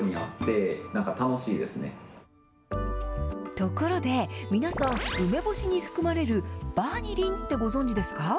ところで、皆さん、梅干しに含まれるバニリンってご存じですか？